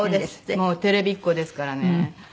もうテレビっ子ですからね。